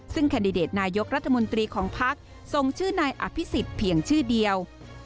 ซึ่งแคนดิเดตนายกรัฐมนตรีของพักส่งชื่อนายอภิษฎเพียงชื่อเดียว